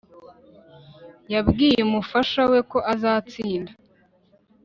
Yabwiye umufasha we ko azatsinda